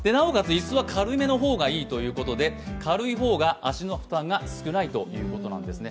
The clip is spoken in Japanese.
椅子は軽めの方がいいということで軽い方が足の負担が少ないということなんですね。